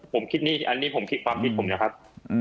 ผมคิดนี่อันนี้ผมคิดความคิดผมนะครับ